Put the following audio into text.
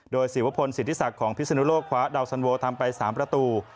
โดยศิวพลสิทธิศักดิ์ของพิศนุโลกคว้าดาวสันโวทำไป๓ประตู